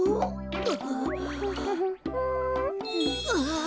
ああ。